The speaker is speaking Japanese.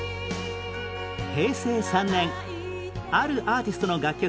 平成３年あるアーティストの楽曲